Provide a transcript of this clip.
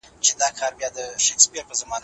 چیتا 🐆